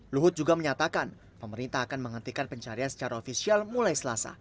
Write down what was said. luhut juga menyatakan pemerintah akan menghentikan pencarian secara ofisial mulai selasa